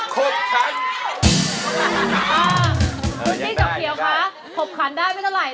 คุณที่เจ้าเขียวค่ะขบขันได้ไม่เท่าไร